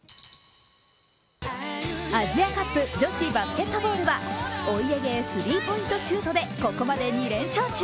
アジアカップ女子バスケットボールはお家芸スリーポイントシュートでここまで２連勝中。